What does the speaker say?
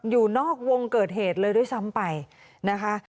อยู่นอกวงเกิดเหตุเลยด้วยซ้ำไปนะคะ